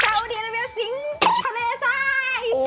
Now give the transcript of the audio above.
ซาวเดียระเวียสิงะ